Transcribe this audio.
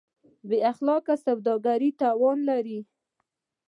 بېاخلاقه سوداګري تاوان لري.